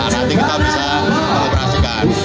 nanti kita bisa mengoperasikan